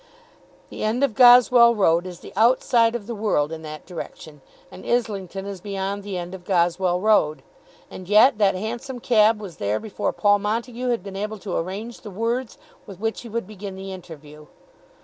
The end of Goswell Road is the outside of the world in that direction, and Islington is beyond the end of Goswell Road. And yet that Hansom cab was there before Paul Montague had been able to arrange the words with which he would begin the interview.